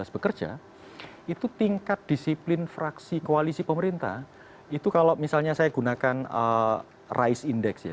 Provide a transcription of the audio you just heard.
dua ribu sembilan belas bekerja itu tingkat disiplin fraksi koalisi pemerintah itu kalau misalnya saya gunakan rise index ya